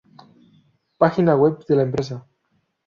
Página web de la empresa